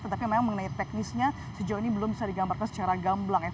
tetapi memang mengenai teknisnya sejauh ini belum bisa digambarkan secara gamblang